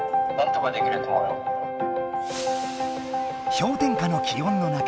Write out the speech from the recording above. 氷点下の気温の中